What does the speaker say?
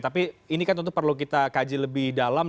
tapi ini kan tentu perlu kita kaji lebih dalam